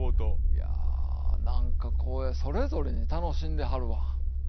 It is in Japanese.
いやあ何かこうそれぞれに楽しんではるわ。